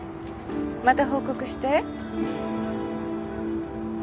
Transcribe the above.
また報告して。